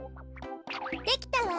できたわ！